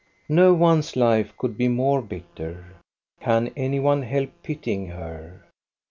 No one's life could be more bitter. Can any one help pitying her?